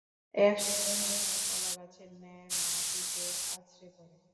এক সময় কাটা কলাগাছের ন্যায় মাটিতে আঁছড়ে পড়ে।